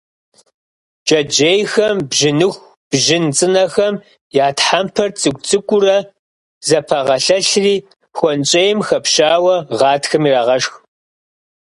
Джэджьейхэм бжьыныху, бжьын цӀынэхэм я тхьэмпэр цӀыкӀу-цӀыкӀуурэ зэпагъэлъэлъри, хуэнщӀейм хэпщауэ гъатхэм ирагъэшх.